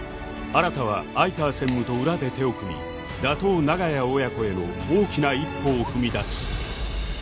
新は相川専務と裏で手を組み打倒長屋親子への大きな一歩を踏み出す